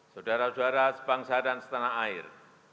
saudara saudara sebangsa dan setanah air